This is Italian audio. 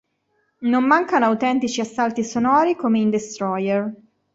Non mancano autentici assalti sonori come in "Destroyer".